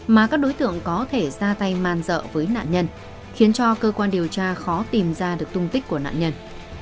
mà các đối tượng có thể ra tay man dợ với nạn nhân khiến cho cơ quan điều tra khó tìm ra được tung tích của nạn nhân